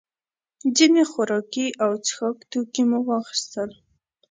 ځینې خوراکي او څښاک توکي مو واخیستل.